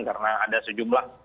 karena ada sejumlah